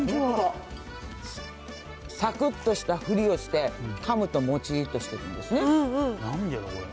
さくっとしたふりをして、かむともちっとしてるんですね。